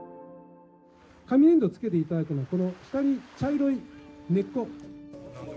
紙粘土付けていただくの下に茶色い根っこ。